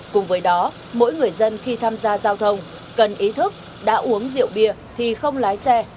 cùng với đó mỗi người dân khi tham gia giao thông cần ý thức đã uống rượu bia thì không lái xe